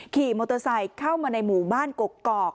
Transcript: ขี่มอเตอร์ไซค์เข้ามาในหมู่บ้านกกอก